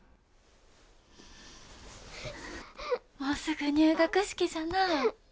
もうすぐ入学式じゃなあ。